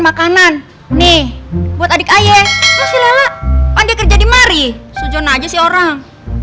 makanan nih buat adik ayah si lela pandai kerja di mari sejona aja sih orang